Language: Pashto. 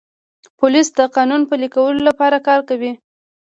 پولیس د قانون پلي کولو لپاره کار کوي.